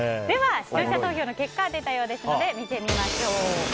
では視聴者投票の結果出たようですので見ていきましょう。